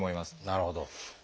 なるほど。